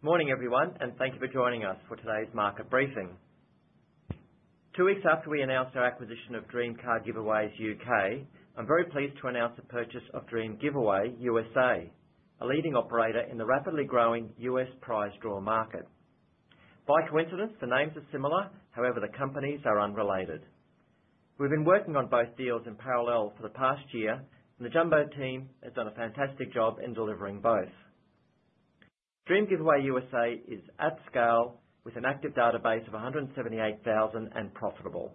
Morning, everyone, and thank you for joining us for today's market briefing. Two weeks after we announced our acquisition of Dream Car Giveaways U.K., I'm very pleased to announce the purchase of Dream Giveaway USA, a leading operator in the rapidly growing U.S. prize draw market. By coincidence, the names are similar. However, the companies are unrelated. We've been working on both deals in parallel for the past year, and the Jumbo team has done a fantastic job in delivering both. Dream Giveaway USA is at scale, with an active database of 178,000 and profitable.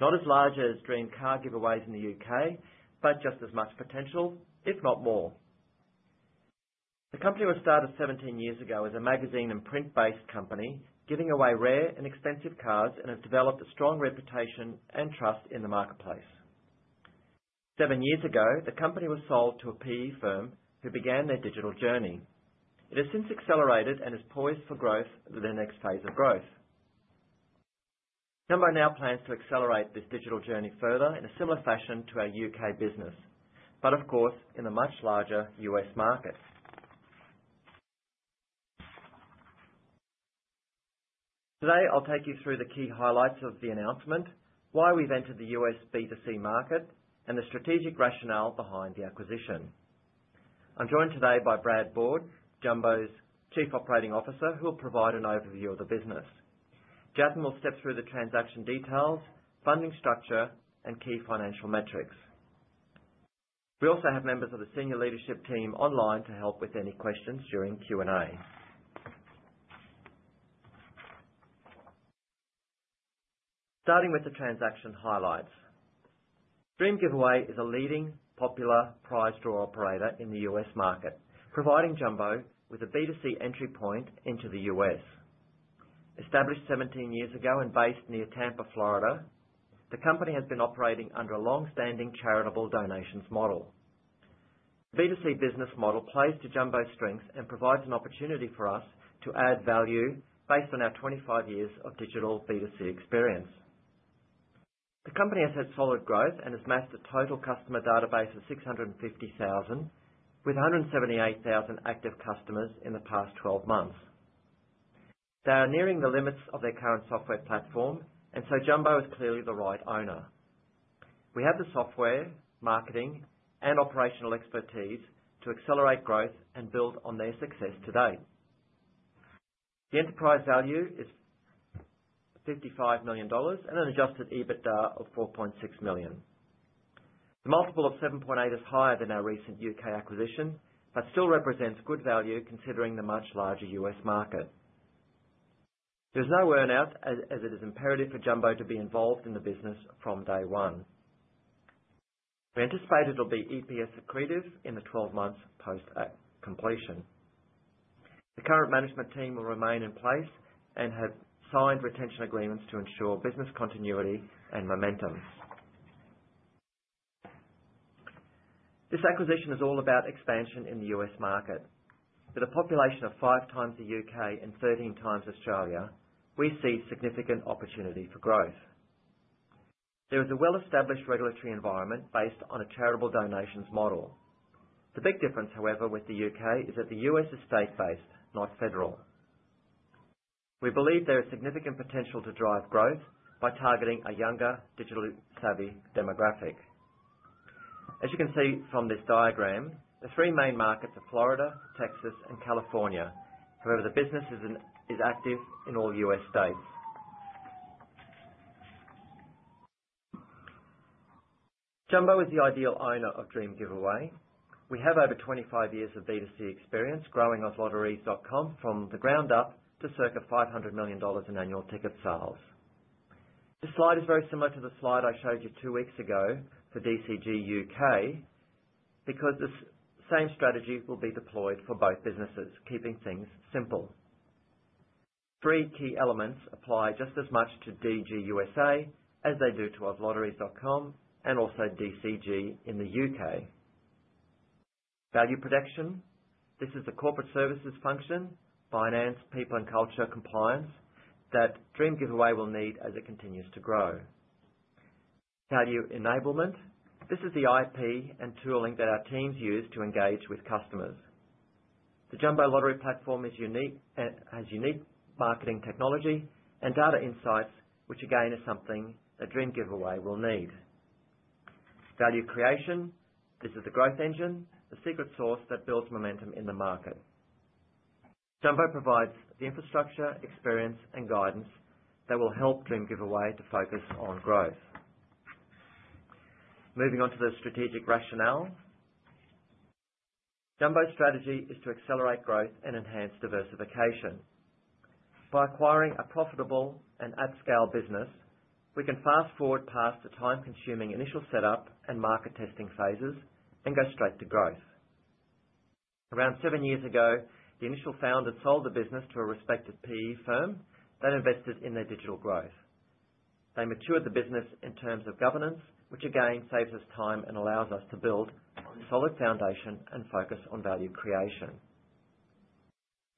Not as large as Dream Car Giveaways in the U.K., but just as much potential, if not more. The company was started 17 years ago as a magazine and print-based company, giving away rare and expensive cars, and has developed a strong reputation and trust in the marketplace. Seven years ago, the company was sold to a PE firm who began their digital journey. It has since accelerated and is poised for growth within the next phase of growth. Jumbo now plans to accelerate this digital journey further in a similar fashion to our UK business, but of course, in the much larger US market. Today, I'll take you through the key highlights of the announcement, why we've entered the US B2C market, and the strategic rationale behind the acquisition. I'm joined today by Brad Board, Jumbo's Chief Operating Officer, who will provide an overview of the business. Jatin will step through the transaction details, funding structure, and key financial metrics. We also have members of the senior leadership team online to help with any questions during Q&A. Starting with the transaction highlights, Dream Giveaway is a leading, popular prize draw operator in the U.S. market, providing Jumbo with a B2C entry point into the U.S. Established 17 years ago and based near Tampa, Florida, the company has been operating under a long-standing charitable donations model. The B2C business model plays to Jumbo's strengths and provides an opportunity for us to add value based on our 25 years of digital B2C experience. The company has had solid growth and has matched a total customer database of 650,000, with 178,000 active customers in the past 12 months. They are nearing the limits of their current software platform, and so Jumbo is clearly the right owner. We have the software, marketing, and operational expertise to accelerate growth and build on their success today. The enterprise value is $55 million and an Adjusted EBITDA of $4.6 million. The multiple of 7.8 is higher than our recent U.K. acquisition, but still represents good value considering the much larger U.S. market. There's no worry now, as it is imperative for Jumbo to be involved in the business from day one. We anticipate it'll be EPS accretive in the 12 months post-completion. The current management team will remain in place and have signed retention agreements to ensure business continuity and momentum. This acquisition is all about expansion in the U.S. market. With a population of five times the U.K. and 13 times Australia, we see significant opportunity for growth. There is a well-established regulatory environment based on a charitable donations model. The big difference, however, with the U.K. is that the U.S. is state-based, not federal. We believe there is significant potential to drive growth by targeting a younger, digitally savvy demographic. As you can see from this diagram, the three main markets are Florida, Texas, and California. However, the business is active in all U.S. states. Jumbo is the ideal owner of Dream Giveaway. We have over 25 years of B2C experience, growing OzLotteries.com from the ground up to circa 500 million dollars in annual ticket sales. This slide is very similar to the slide I showed you two weeks ago for DCG UK because this same strategy will be deployed for both businesses, keeping things simple. Three key elements apply just as much to DG USA as they do to OzLotteries.com and also DCG in the UK. Value production, this is the corporate services function, finance, people, and culture compliance that Dream Giveaway will need as it continues to grow. Value enablement, this is the IP and tooling that our teams use to engage with customers. The Jumbo Lottery Platform has unique marketing technology and data insights, which again is something that Dream Giveaway will need. Value creation, this is the growth engine, the secret sauce that builds momentum in the market. Jumbo provides the infrastructure, experience, and guidance that will help Dream Giveaway to focus on growth. Moving on to the strategic rationale, Jumbo's strategy is to accelerate growth and enhance diversification. By acquiring a profitable and at-scale business, we can fast forward past the time-consuming initial setup and market testing phases and go straight to growth. Around seven years ago, the initial founder sold the business to a respected PE firm that invested in their digital growth. They matured the business in terms of governance, which again saves us time and allows us to build a solid foundation and focus on value creation.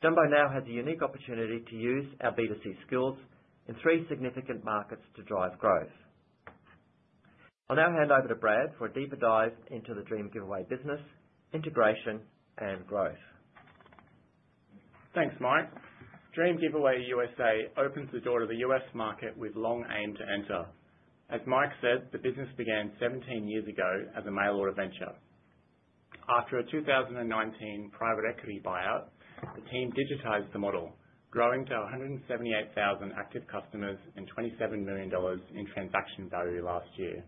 Jumbo now has a unique opportunity to use our B2C skills in three significant markets to drive growth. I'll now hand over to Brad for a deeper dive into the Dream Giveaway business, integration, and growth. Thanks, Mike. Dream Giveaway USA opens the door to the U.S. market we've long aimed to enter. As Mike said, the business began 17 years ago as a mail-order venture. After a 2019 private equity buyout, the team digitized the model, growing to 178,000 active customers and $27 million in transaction value last year.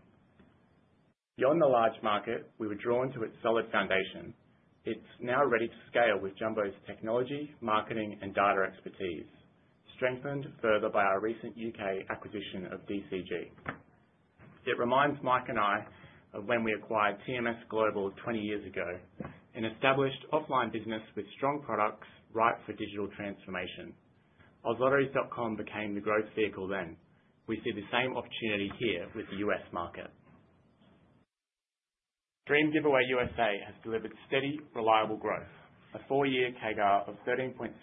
Beyond the large market, we were drawn to its solid foundation. It's now ready to scale with Jumbo's technology, marketing, and data expertise, strengthened further by our recent U.K. acquisition of DCG. It reminds Mike and I of when we acquired TMS Global 20 years ago, an established offline business with strong products ripe for digital transformation. OzLotteries.com became the growth vehicle then. We see the same opportunity here with the U.S. market. Dream Giveaway USA has delivered steady, reliable growth, a four-year CAGR of 13.6%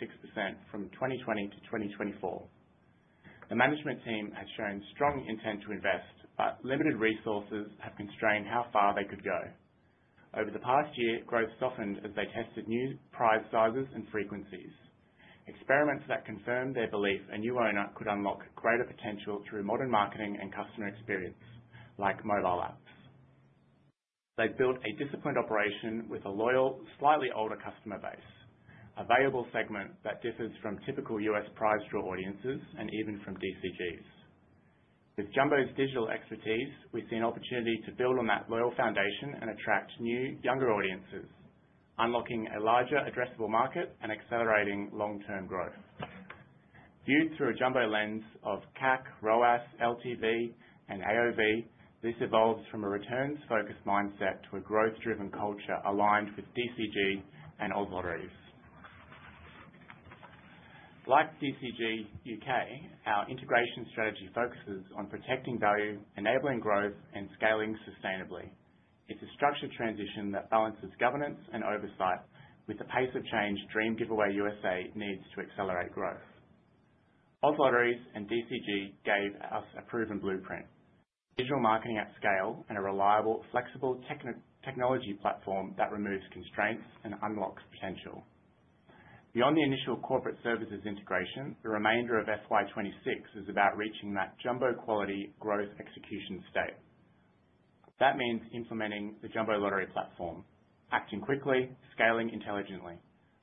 from 2020 to 2024. The management team has shown strong intent to invest, but limited resources have constrained how far they could go. Over the past year, growth softened as they tested new prize sizes and frequencies. Experiments that confirmed their belief a new owner could unlock greater potential through modern marketing and customer experience, like mobile apps. They've built a disciplined operation with a loyal, slightly older customer base, a valuable segment that differs from typical U.S. prize draw audiences and even from DCG's. With Jumbo's digital expertise, we've seen opportunity to build on that loyal foundation and attract new, younger audiences, unlocking a larger, addressable market and accelerating long-term growth. Viewed through a Jumbo lens of CAC, ROAS, LTV, and AOV, this evolves from a returns-focused mindset to a growth-driven culture aligned with DCG and Oz Lotteries. Like DCG UK, our integration strategy focuses on protecting value, enabling growth, and scaling sustainably. It's a structured transition that balances governance and oversight with the pace of change Dream Giveaway USA needs to accelerate growth. Oz Lotteries and DCG gave us a proven blueprint: digital marketing at scale and a reliable, flexible technology platform that removes constraints and unlocks potential. Beyond the initial corporate services integration, the remainder of FY26 is about reaching that Jumbo-quality growth execution state. That means implementing the Jumbo Lottery Platform, acting quickly, scaling intelligently,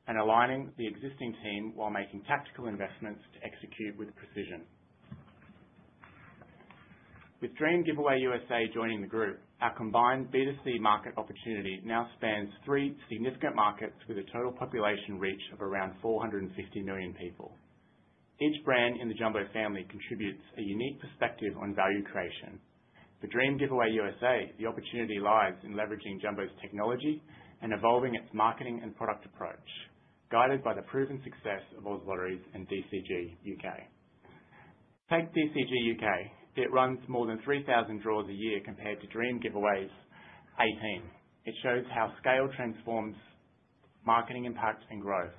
and aligning the existing team while making tactical investments to execute with precision. With Dream Giveaway USA joining the group, our combined B2C market opportunity now spans three significant markets with a total population reach of around 450 million people. Each brand in the Jumbo family contributes a unique perspective on value creation. For Dream Giveaway USA, the opportunity lies in leveraging Jumbo's technology and evolving its marketing and product approach, guided by the proven success of Oz Lotteries and DCG UK. Take DCG UK. It runs more than 3,000 draws a year compared to Dream Giveaway's 18. It shows how scale transforms marketing impact and growth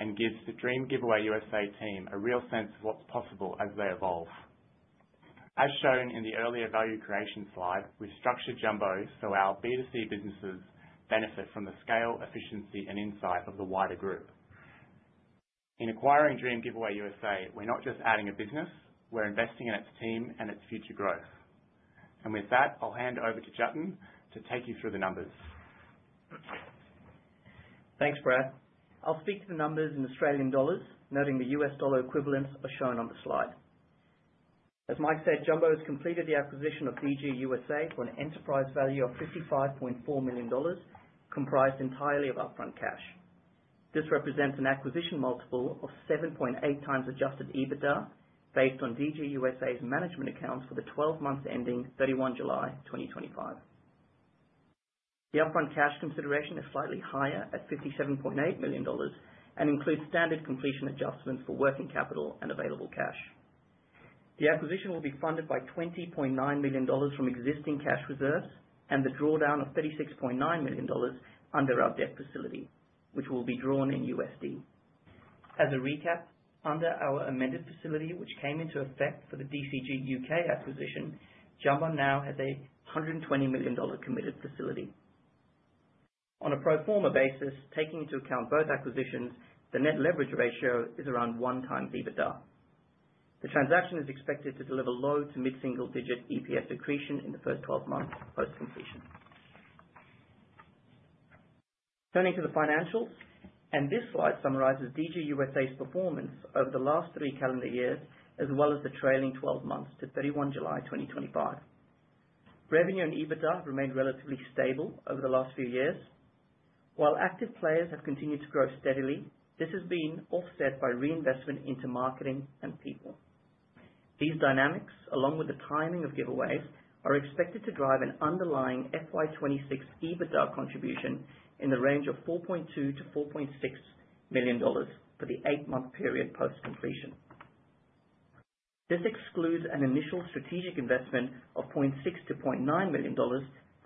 and gives the Dream Giveaway USA team a real sense of what's possible as they evolve. As shown in the earlier value creation slide, we've structured Jumbo so our B2C businesses benefit from the scale, efficiency, and insight of the wider group. In acquiring Dream Giveaway USA, we're not just adding a business. We're investing in its team and its future growth. And with that, I'll hand over to Jatin to take you through the numbers. Thanks, Brad. I'll speak to the numbers in Australian dollars, noting the US dollar equivalents are shown on the slide. As Mike said, Jumbo has completed the acquisition of DG USA for an enterprise value of 55.4 million dollars, comprised entirely of upfront cash. This represents an acquisition multiple of 7.8 times adjusted EBITDA based on DG USA's management accounts for the 12 months ending 31 July 2025. The upfront cash consideration is slightly higher at 57.8 million dollars and includes standard completion adjustments for working capital and available cash. The acquisition will be funded by 20.9 million dollars from existing cash reserves and the drawdown of $36.9 million under our debt facility, which will be drawn in USD. As a recap, under our amended facility, which came into effect for the DCG UK acquisition, Jumbo now has a 120 million dollar committed facility. On a pro forma basis, taking into account both acquisitions, the net leverage ratio is around one times EBITDA. The transaction is expected to deliver low to mid-single-digit EPS accretion in the first 12 months post-completion. Turning to the financials, this slide summarizes DG USA's performance over the last three calendar years as well as the trailing 12 months to 31 July 2025. Revenue and EBITDA remained relatively stable over the last few years. While active players have continued to grow steadily, this has been offset by reinvestment into marketing and people. These dynamics, along with the timing of giveaways, are expected to drive an underlying FY26 EBITDA contribution in the range of $4.2-$4.6 million for the eight-month period post-completion. This excludes an initial strategic investment of $0.6-$0.9 million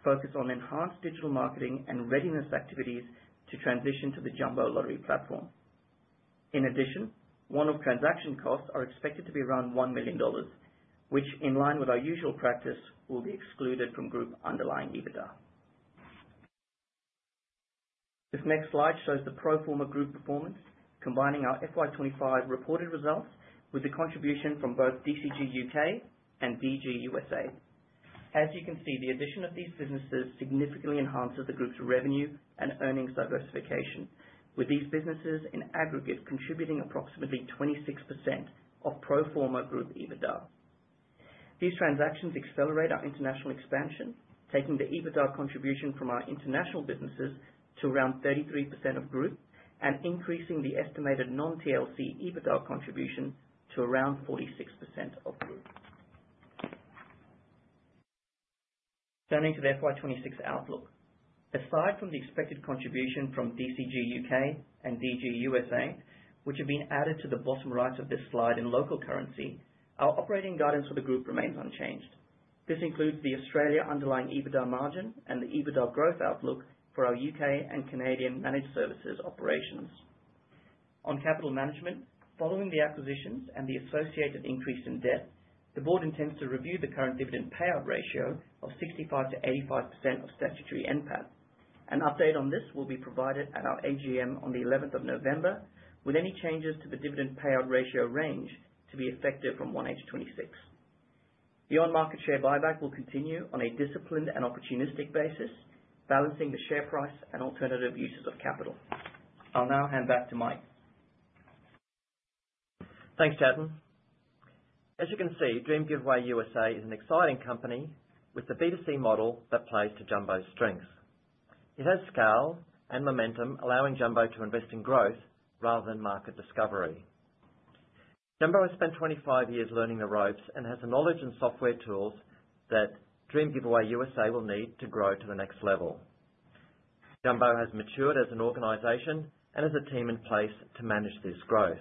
focused on enhanced digital marketing and readiness activities to transition to the Jumbo Lottery platform. In addition, one-off transaction costs are expected to be around 1 million dollars, which, in line with our usual practice, will be excluded from group underlying EBITDA. This next slide shows the pro forma group performance, combining our FY25 reported results with the contribution from both DCG UK and DG USA. As you can see, the addition of these businesses significantly enhances the group's revenue and earnings diversification, with these businesses in aggregate contributing approximately 26% of pro forma group EBITDA. These transactions accelerate our international expansion, taking the EBITDA contribution from our international businesses to around 33% of group and increasing the estimated non-TLC EBITDA contribution to around 46% of group. Turning to the FY26 outlook, aside from the expected contribution from DCG UK and DG USA, which have been added to the bottom right of this slide in local currency, our operating guidance for the group remains unchanged. This includes the Australian underlying EBITDA margin and the EBITDA growth outlook for our UK and Canadian managed services operations. On capital management, following the acquisitions and the associated increase in debt, the board intends to review the current dividend payout ratio of 65%-85% of statutory NPAT. An update on this will be provided at our AGM on the 11th of November, with any changes to the dividend payout ratio range to be effective from 1H26. Beyond that, share buyback will continue on a disciplined and opportunistic basis, balancing the share price and alternative uses of capital. I'll now hand back to Mike. Thanks, Jatin. As you can see, Dream Giveaway USA is an exciting company with the B2C model that plays to Jumbo's strengths. It has scale and momentum, allowing Jumbo to invest in growth rather than market discovery. Jumbo has spent 25 years learning the ropes and has the knowledge and software tools that Dream Giveaway USA will need to grow to the next level. Jumbo has matured as an organization and has a team in place to manage this growth.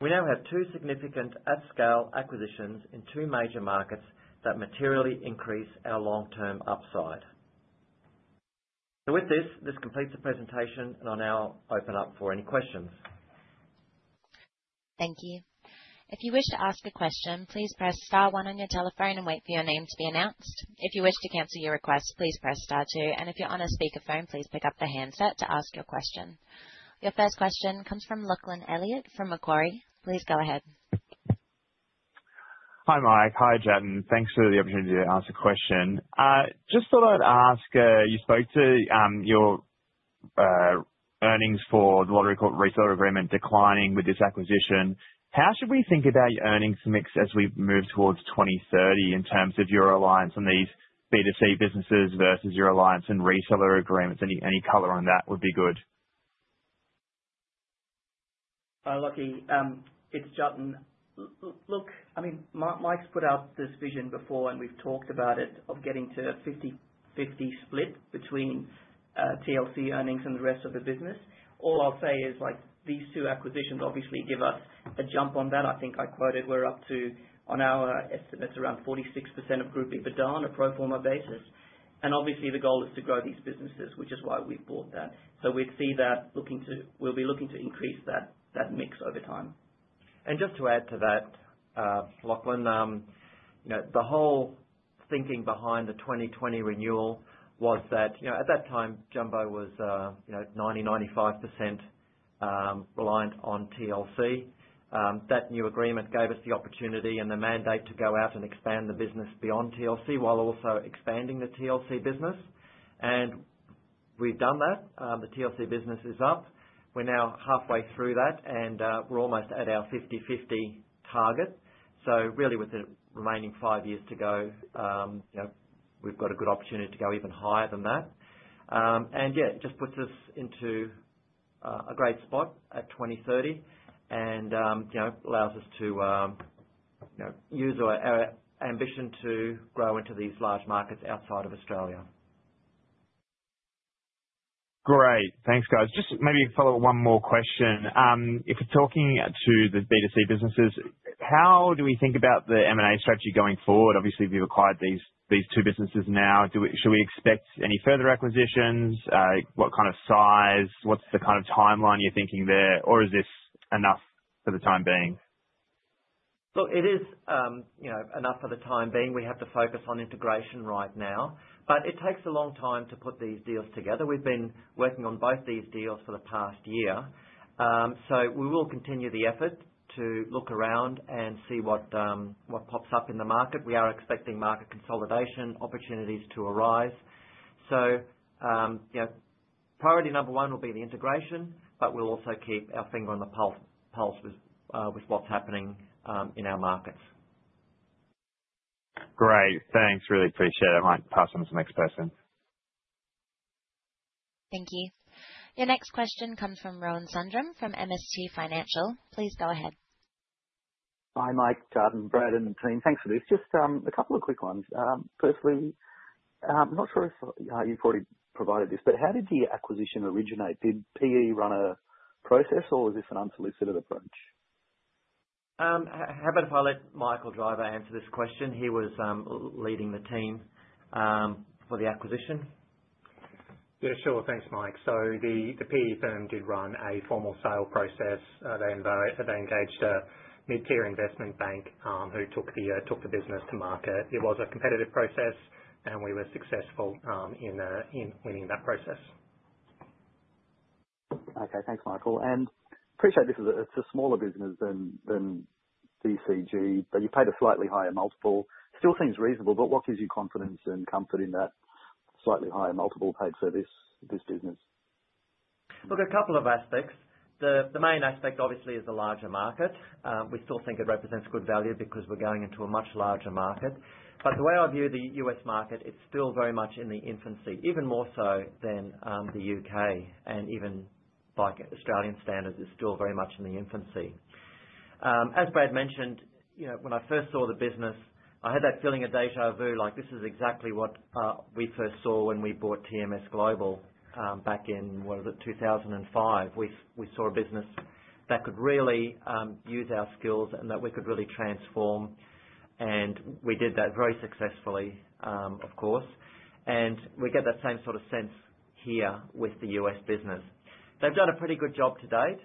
We now have two significant at-scale acquisitions in two major markets that materially increase our long-term upside. With this, this completes the presentation, and I'll now open up for any questions. Thank you. If you wish to ask a question, please press star one on your telephone and wait for your name to be announced. If you wish to cancel your request, please press star two, and if you're on a speakerphone, please pick up the handset to ask your question. Your first question comes from Lachlan Elliott from Macquarie. Please go ahead. Hi, Mike. Hi, Jatin. Thanks for the opportunity to answer a question. Just thought I'd ask, you spoke to your earnings for the lottery reseller agreement declining with this acquisition. How should we think about your earnings mix as we move towards 2030 in terms of your reliance on these B2C businesses versus your reliance in reseller agreements? Any color on that would be good. Look, it's Jatin. Look, I mean, Mike's put out this vision before, and we've talked about it, of getting to a 50/50 split between TLC earnings and the rest of the business. All I'll say is these two acquisitions obviously give us a jump on that. I think I quoted we're up to, on our estimates, around 46% of group EBITDA on a pro forma basis. And obviously, the goal is to grow these businesses, which is why we've bought that. So we'd see that looking to we'll be looking to increase that mix over time. And just to add to that, Lachlan, the whole thinking behind the 2020 renewal was that at that time, Jumbo was 90%-95% reliant on TLC. That new agreement gave us the opportunity and the mandate to go out and expand the business beyond TLC while also expanding the TLC business. And we've done that. The TLC business is up. We're now halfway through that, and we're almost at our 50/50 target. So really, with the remaining five years to go, we've got a good opportunity to go even higher than that. And yeah, it just puts us into a great spot at 2030 and allows us to use our ambition to grow into these large markets outside of Australia. Great. Thanks, guys. Just maybe a follow-up, one more question. If we're talking to the B2C businesses, how do we think about the M&A strategy going forward? Obviously, we've acquired these two businesses now. Should we expect any further acquisitions? What kind of size? What's the kind of timeline you're thinking there? Or is this enough for the time being? Look, it is enough for the time being. We have to focus on integration right now. But it takes a long time to put these deals together. We've been working on both these deals for the past year. So we will continue the effort to look around and see what pops up in the market. We are expecting market consolidation opportunities to arise. So priority number one will be the integration, but we'll also keep our finger on the pulse with what's happening in our markets. Great. Thanks. Really appreciate it. I might pass on to the next person. Thank you. Your next question comes from Rohan Sundram from MST Financial. Please go ahead. Hi, Mike, Jatin, Brad, and Team. Thanks for this. Just a couple of quick ones. Firstly, I'm not sure if you've already provided this, but how did the acquisition originate? Did PE run a process, or was this an unsolicited approach? How about if I let Michael Driver answer this question? He was leading the team for the acquisition. Yeah, sure. Thanks, Mike. So the PE firm did run a formal sale process. They engaged a mid-tier investment bank who took the business to market. It was a competitive process, and we were successful in winning that process. Okay. Thanks, Michael. I appreciate this is a smaller business than DCG, but you paid a slightly higher multiple. Still seems reasonable, but what gives you confidence and comfort in that slightly higher multiple paid for this business? Look, a couple of aspects. The main aspect, obviously, is the larger market. We still think it represents good value because we're going into a much larger market. But the way I view the U.S. market, it's still very much in the infancy, even more so than the U.K. And even by Australian standards, it's still very much in the infancy. As Brad mentioned, when I first saw the business, I had that feeling of déjà vu, like this is exactly what we first saw when we bought TMS Global back in, what is it, 2005. We saw a business that could really use our skills and that we could really transform. And we did that very successfully, of course. And we get that same sort of sense here with the U.S. business. They've done a pretty good job to date,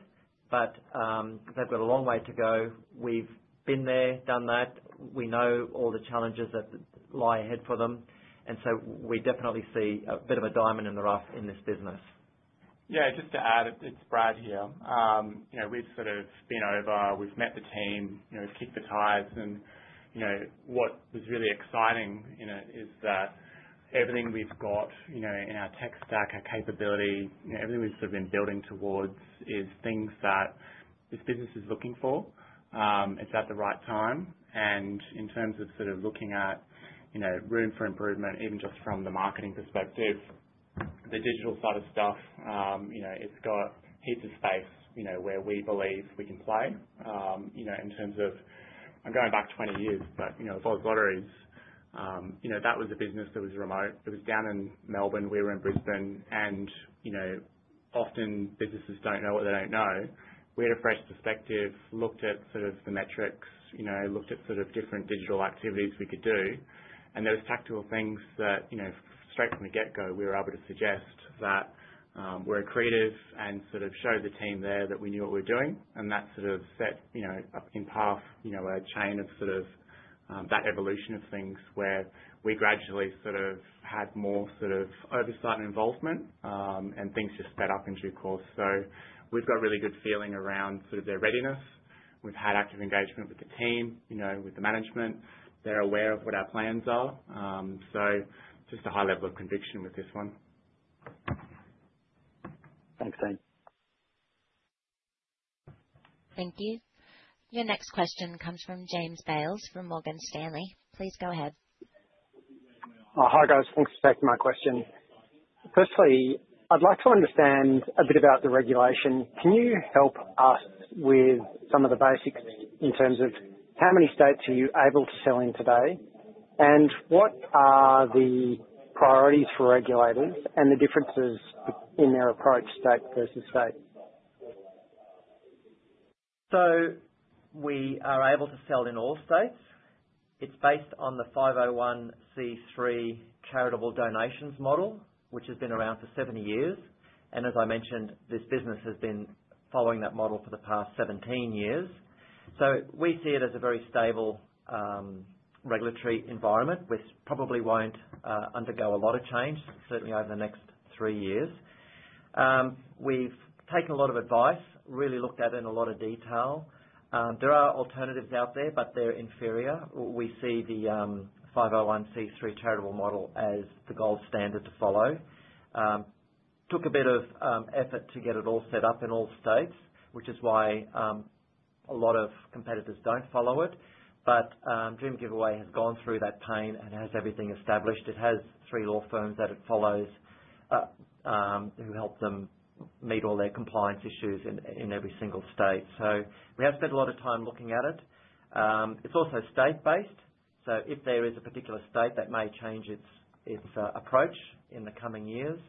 but they've got a long way to go. We've been there, done that. We know all the challenges that lie ahead for them. And so we definitely see a bit of a diamond in the rough in this business. Yeah. Just to add, it's Brad here. We've sort of been over. We've met the team, kicked the tires. And what was really exciting is that everything we've got in our tech stack, our capability, everything we've sort of been building towards is things that this business is looking for. It's at the right time. And in terms of sort of looking at room for improvement, even just from the marketing perspective, the digital side of stuff, it's got heaps of space where we believe we can play. In terms of, I'm going back 20 years, but as far as lotteries, that was a business that was remote. It was down in Melbourne. We were in Brisbane. And often, businesses don't know what they don't know. We had a fresh perspective, looked at sort of the metrics, looked at sort of different digital activities we could do. There were tactical things that, straight from the get-go, we were able to suggest that we're creative and sort of showed the team there that we knew what we were doing. That sort of set in path a chain of sort of that evolution of things where we gradually sort of had more sort of oversight and involvement, and things just sped up in due course. We've got a really good feeling around sort of their readiness. We've had active engagement with the team, with the management. They're aware of what our plans are. Just a high level of conviction with this one. Thanks, Team. Thank you. Your next question comes from James Bales from Morgan Stanley. Please go ahead. Hi, guys. Thanks for taking my question. Firstly, I'd like to understand a bit about the regulation. Can you help us with some of the basics in terms of how many states are you able to sell in today? And what are the priorities for regulators and the differences in their approach, state versus state? So we are able to sell in all states. It's based on the 501(c)(3) charitable donations model, which has been around for 70 years. And as I mentioned, this business has been following that model for the past 17 years. So we see it as a very stable regulatory environment. We probably won't undergo a lot of change, certainly over the next three years. We've taken a lot of advice, really looked at it in a lot of detail. There are alternatives out there, but they're inferior. We see the 501(c)(3) charitable model as the gold standard to follow. Took a bit of effort to get it all set up in all states, which is why a lot of competitors don't follow it. But Dream Giveaway has gone through that pain and has everything established. It has three law firms that it follows who help them meet all their compliance issues in every single state. So we have spent a lot of time looking at it. It's also state-based. So if there is a particular state that may change its approach in the coming years,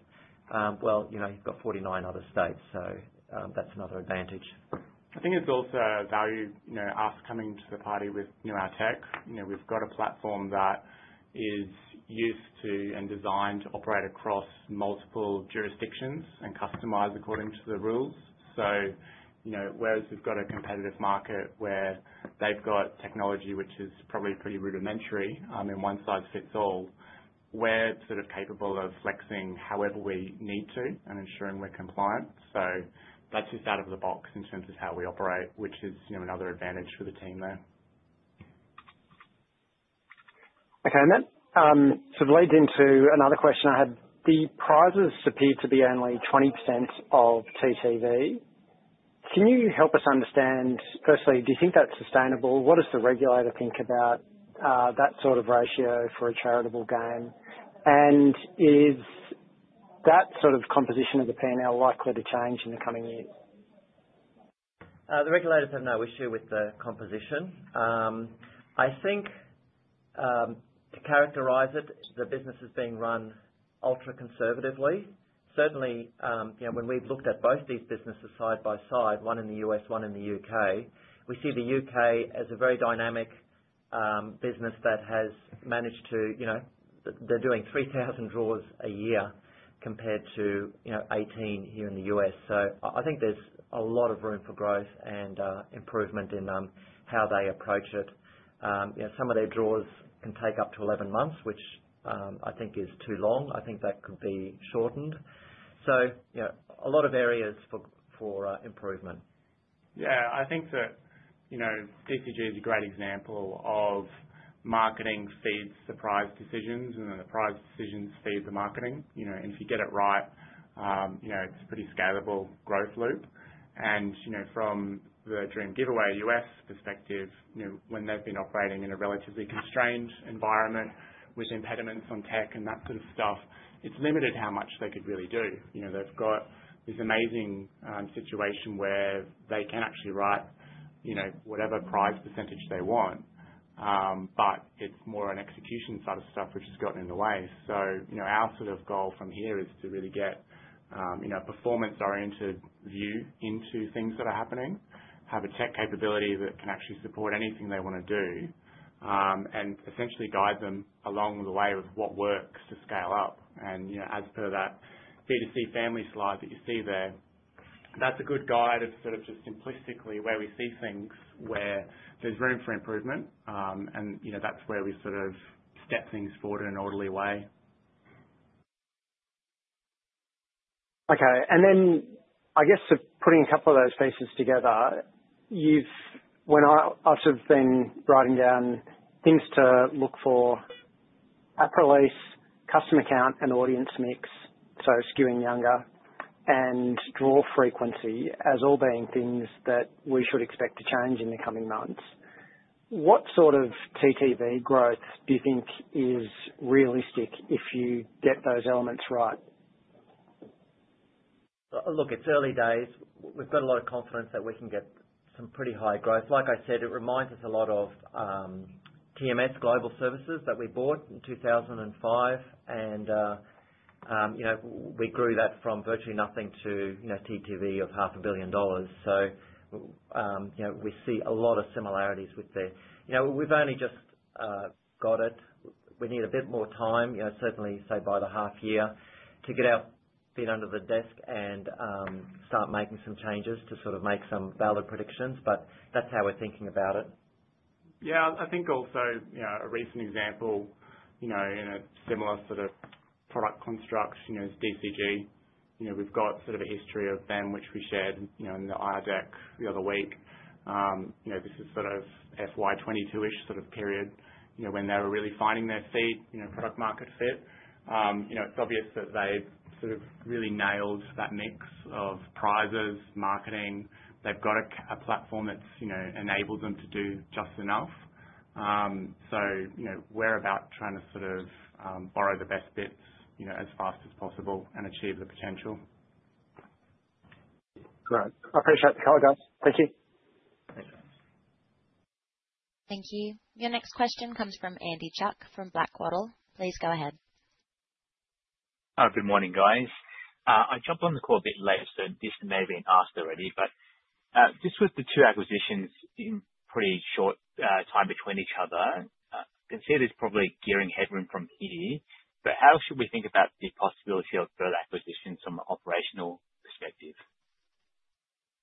well, you've got 49 other states. So that's another advantage. I think it's also a value to us coming to the party with our tech. We've got a platform that is used to and designed to operate across multiple jurisdictions and customize according to the rules. So whereas we've got a competitive market where they've got technology, which is probably pretty rudimentary and one size fits all, we're sort of capable of flexing however we need to and ensuring we're compliant. So that's just out of the box in terms of how we operate, which is another advantage for the team there. Okay. And that sort of leads into another question I had. The prizes appear to be only 20% of TTV. Can you help us understand, firstly, do you think that's sustainable? What does the regulator think about that sort of ratio for a charitable game? And is that sort of composition of the P&L likely to change in the coming years? The regulators have no issue with the composition. I think to characterize it, the business is being run ultra-conservatively. Certainly, when we've looked at both these businesses side by side, one in the U.S., one in the U.K., we see the U.K. as a very dynamic business that has managed to. They're doing 3,000 draws a year compared to 18 here in the U.S. So I think there's a lot of room for growth and improvement in how they approach it. Some of their draws can take up to 11 months, which I think is too long. I think that could be shortened. So a lot of areas for improvement. Yeah. I think that DCG is a great example of marketing feeds the prize decisions, and then the prize decisions feed the marketing, and if you get it right, it's a pretty scalable growth loop, and from the Dream Giveaway US perspective, when they've been operating in a relatively constrained environment with impediments on tech and that sort of stuff, it's limited how much they could really do. They've got this amazing situation where they can actually write whatever prize percentage they want, but it's more an execution side of stuff which has gotten in the way, so our sort of goal from here is to really get a performance-oriented view into things that are happening, have a tech capability that can actually support anything they want to do, and essentially guide them along the way of what works to scale up. As per that B2C family slide that you see there, that's a good guide of sort of just simplistically where we see things where there's room for improvement, and that's where we sort of step things forward in an orderly way. Okay. And then I guess putting a couple of those pieces together, when I've sort of been writing down things to look for, app release, customer count, and audience mix, so skewing younger, and draw frequency as all being things that we should expect to change in the coming months, what sort of TTV growth do you think is realistic if you get those elements right? Look, it's early days. We've got a lot of confidence that we can get some pretty high growth. Like I said, it reminds us a lot of TMS Global Services that we bought in 2005, and we grew that from virtually nothing to TTV of 500 million dollars. So we see a lot of similarities with there, so we've only just got it. We need a bit more time, certainly, say, by the half year to get out, get under the desk, and start making some changes to sort of make some valid predictions, but that's how we're thinking about it. Yeah. I think also a recent example in a similar sort of product construction is DCG. We've got sort of a history of them, which we shared in the IR deck the other week. This is sort of FY 22-ish sort of period when they were really finding their seat, product-market fit. It's obvious that they've sort of really nailed that mix of prizes, marketing. They've got a platform that's enabled them to do just enough. So we're about trying to sort of borrow the best bits as fast as possible and achieve the potential. Right. I appreciate the call, guys. Thank you. Thank you. Your next question comes from Andy Chuk from Blackwattle. Please go ahead. Oh, good morning, guys. I jumped on the call a bit late, so this may have been asked already, but just with the two acquisitions in pretty short time between each other, I can see there's probably gearing headroom from here. But how should we think about the possibility of further acquisitions from an operational perspective?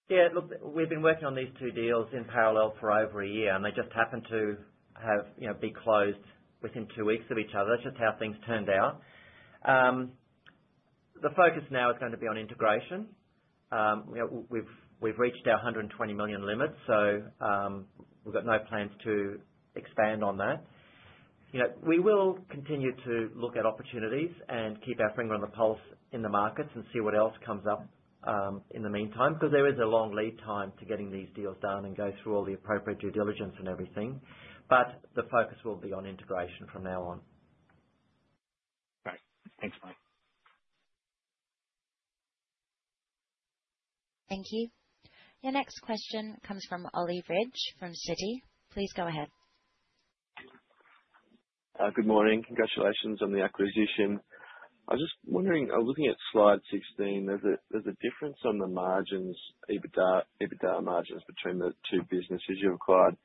Yeah. Look, we've been working on these two deals in parallel for over a year, and they just happened to be closed within two weeks of each other. That's just how things turned out. The focus now is going to be on integration. We've reached our 120 million limit, so we've got no plans to expand on that. We will continue to look at opportunities and keep our finger on the pulse in the markets and see what else comes up in the meantime because there is a long lead time to getting these deals done and go through all the appropriate due diligence and everything. But the focus will be on integration from now on. Okay. Thanks, Mike. Thank you. Your next question comes from Ollie Ridge from Citi. Please go ahead. Good morning. Congratulations on the acquisition. I was just wondering, looking at slide 16, there's a difference on the margins, EBITDA margins between the two businesses you've acquired.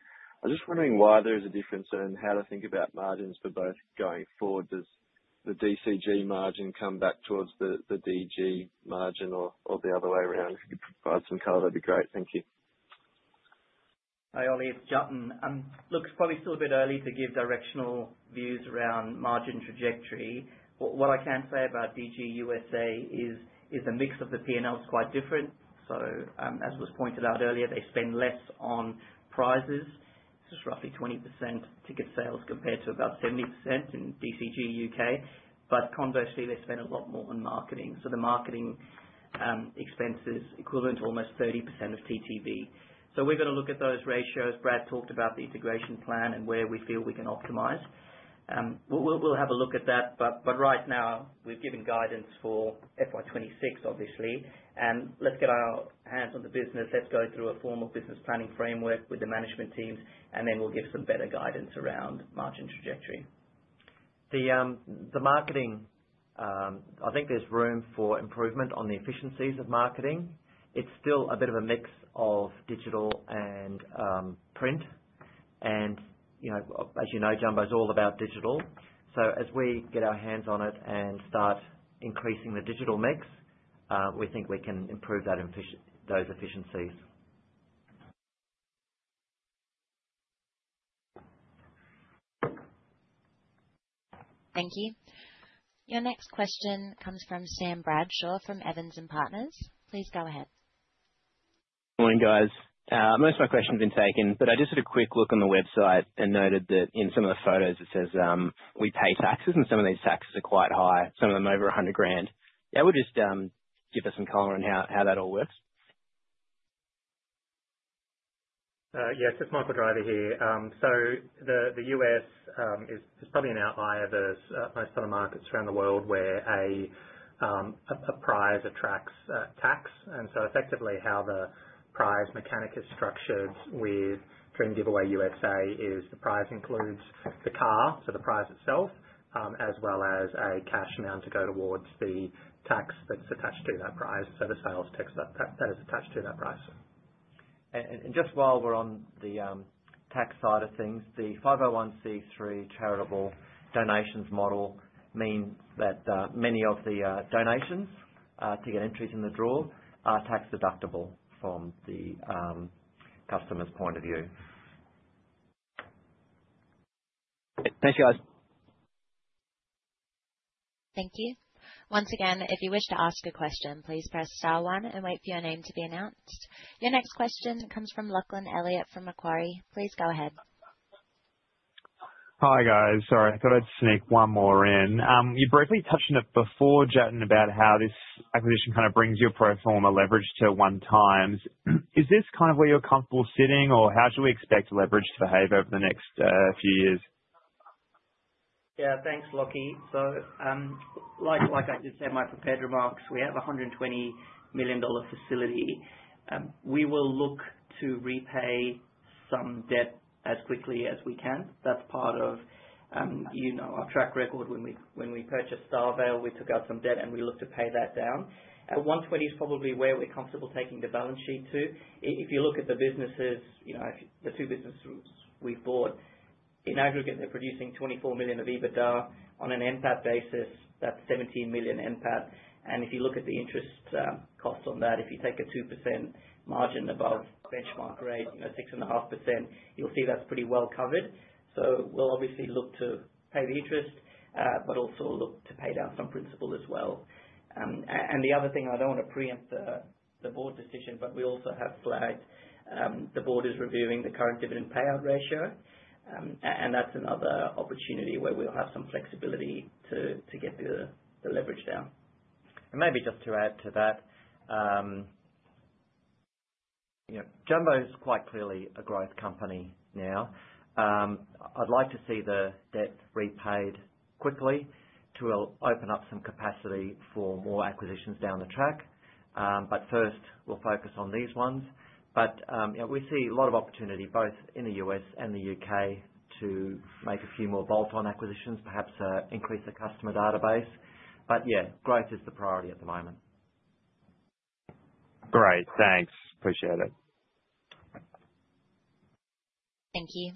I was just wondering why there is a difference and how to think about margins for both going forward. Does the DCG margin come back towards the DG margin or the other way around? If you could provide some color, that'd be great. Thank you. Hi, Ollie Ridge. Look, it's probably still a bit early to give directional views around margin trajectory. What I can say about DG USA is the mix of the P&L is quite different. So as was pointed out earlier, they spend less on prizes. It's just roughly 20% ticket sales compared to about 70% in DCG UK. But conversely, they spend a lot more on marketing. So the marketing expenses equivalent to almost 30% of TTV. So we're going to look at those ratios. Brad talked about the integration plan and where we feel we can optimize. We'll have a look at that. But right now, we've given guidance for FY 2026, obviously. And let's get our hands on the business. Let's go through a formal business planning framework with the management teams, and then we'll give some better guidance around margin trajectory. The marketing, I think there's room for improvement on the efficiencies of marketing. It's still a bit of a mix of digital and print, and as you know, Jumbo's all about digital, so as we get our hands on it and start increasing the digital mix, we think we can improve those efficiencies. Thank you. Your next question comes from Sam Bradshaw from Evans & Partners. Please go ahead. Morning, guys. Most of my questions have been taken, but I just had a quick look on the website and noted that in some of the photos, it says we pay taxes, and some of these taxes are quite high, some of them over $100,000. Yeah, well, just give us some color on how that all works? Yeah. It's just Michael Driver here, so the U.S. is probably like most other markets around the world where a prize attracts tax, and so effectively, how the prize mechanic is structured with Dream Giveaway USA is the prize includes the car, so the prize itself, as well as a cash amount to go towards the tax that's attached to that prize, the sales tax that is attached to that prize. And just while we're on the tax side of things, the 501(c)(3) charitable donations model means that many of the donations to get entries in the draw are tax-deductible from the customer's point of view. Thanks, guys. Thank you. Once again, if you wish to ask a question, please press star one and wait for your name to be announced. Your next question comes from Lachlan Elliott from Macquarie. Please go ahead. Hi, guys. Sorry, I thought I'd sneak one more in. You briefly touched on it before, Jatin, about how this acquisition kind of brings your pro forma leverage to one times. Is this kind of where you're comfortable sitting, or how should we expect leverage to behave over the next few years? Yeah. Thanks, Lachlan. So, like I just said in my prepared remarks, we have a 120 million dollar facility. We will look to repay some debt as quickly as we can. That's part of our track record. When we purchased StarVale, we took out some debt, and we looked to pay that down. At 120 is probably where we're comfortable taking the balance sheet to. If you look at the businesses, the two businesses we've bought, in aggregate, they're producing 24 million of EBITDA. On an NPAT basis, that's 17 million NPAT. And if you look at the interest cost on that, if you take a 2% margin above benchmark rate, 6.5%, you'll see that's pretty well covered. So we'll obviously look to pay the interest, but also look to pay down some principal as well. And the other thing, I don't want to preempt the board decision, but we also have flagged the board is reviewing the current dividend payout ratio. And that's another opportunity where we'll have some flexibility to get the leverage down. And maybe just to add to that, Jumbo's quite clearly a growth company now. I'd like to see the debt repaid quickly to open up some capacity for more acquisitions down the track. But first, we'll focus on these ones. But we see a lot of opportunity both in the U.S. and the U.K. to make a few more bolt-on acquisitions, perhaps increase the customer database. But yeah, growth is the priority at the moment. Great. Thanks. Appreciate it. Thank you.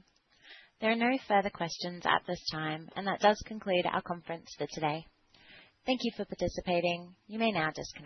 There are no further questions at this time, and that does conclude our conference for today. Thank you for participating. You may now disconnect.